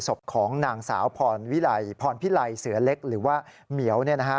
ศพของนางสาวพรพิลัยเสือเล็กหรือว่าเหมียว